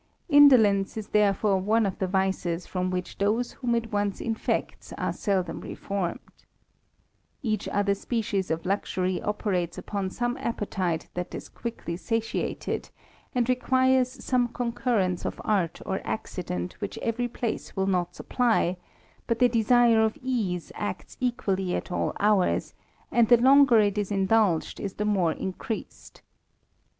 Indolence is therefore one of the vices from which those whom it once infects are seldom reformed. Every othff species of luxury operates upon some appetite that is quickly satiated, and requires some concurrence of art or accident which every place will not supply ; but the desire of ease acts equally at all hours, and the longer it is indulged is the more increased.